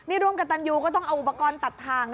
นี่ร่วมกับตันยูก็ต้องเอาอุปกรณ์ตัดทาง